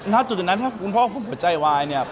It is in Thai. อย่างแบบถ้าคุณพ่อผมก็ใจวายเนี่ย